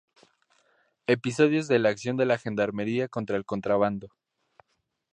Episodios de la acción de la gendarmería contra el contrabando.